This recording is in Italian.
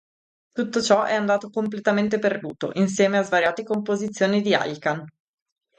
Tutto ciò è andato completamente perduto, insieme a svariate composizioni di Alkan.